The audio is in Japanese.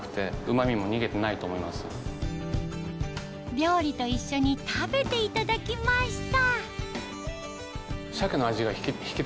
料理と一緒に食べていただきました